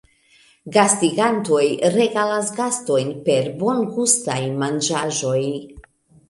Gastigantoj regalas gastojn per bongustaj manĝaĵoj.